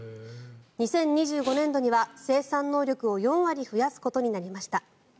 ２０２５年度には生産能力を４割増やすことになりました。